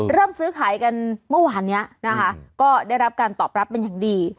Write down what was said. เริ่มซื้อขายกันเมื่อวานนี้นะคะก็ได้รับการตอบรับเป็นอย่างดี